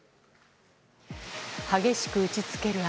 激しく打ちつける雨。